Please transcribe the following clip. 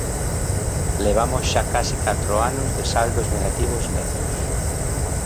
Levamos xa case catro anos de saldos negativos netos.